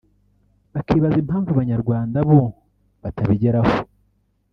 bakibaza impamvu Abanyarwanda bo batabigeraho